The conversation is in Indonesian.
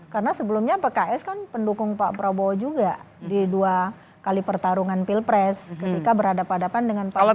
karena sebelumnya pks kan pendukung pak prabowo juga di dua kali pertarungan pilpres ketika berhadapan hadapan dengan pak yudhoy